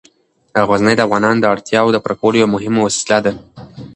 غزني د افغانانو د اړتیاوو د پوره کولو یوه مهمه وسیله ده.